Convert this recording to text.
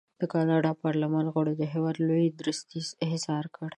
د کاناډا پارلمان غړو د هېواد لوی درستیز احضار کړی.